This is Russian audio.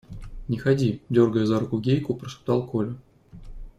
– Не ходи, – дергая за руку Гейку, прошептал Коля.